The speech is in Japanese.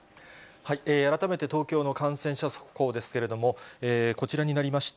改めて東京の感染者速報ですけれども、こちらになりました。